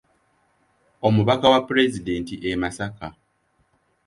Omubaka wa Pulezidenti e Masaka.